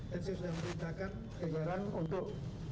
dan saya sudah memberitakan kejaran untuk